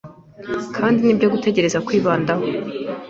kandi ni byo tugerageza kwibandaho.